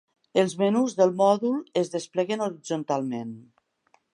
Els menús del mòdul es despleguen horitzontalment.